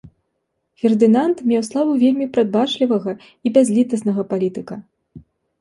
Фердынанд меў славу вельмі прадбачлівага і бязлітаснага палітыка.